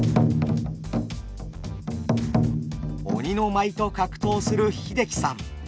鬼の舞と格闘する英樹さん